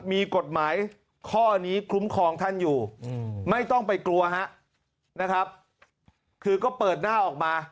มีกฎหมายข้อนี้คุ้มครองท่านอยู่ไม่ต้องไปกลัวฮะนะครับคือก็เปิดหน้าออกมา